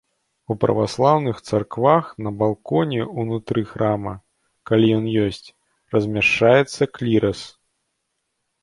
У праваслаўных цэрквах на балконе ўнутры храма, калі ён ёсць, размяшчаецца клірас.